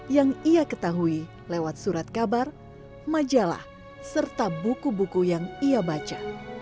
yang ia ketahui lewat surat kabar majalah serta buku buku yang ia baca